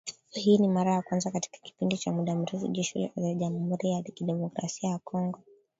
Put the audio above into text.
Hii ni mara ya kwanza katika kipindi cha muda mrefu, Jeshi la jamhuri ya kidemokrasia ya Kongo